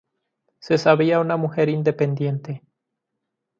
Se sabía una mujer independiente"".